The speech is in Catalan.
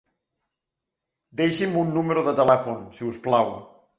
Deixi'm un número de telèfon, si us plau.